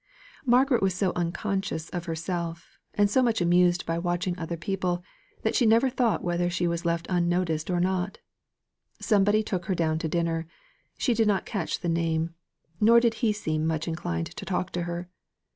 Margaret was so unconscious of herself, and so much amused by watching other people, that she never thought whether she was left unnoticed or not. Somebody took her down to dinner; she did not catch the name; nor did he seem much inclined to talk to her.